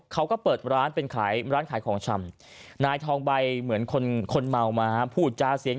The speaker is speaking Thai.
เขาก็เปิดร้านเป็นขายร้านขายของชำนายทองใบเหมือนคนคนเมามาพูดจาเสียง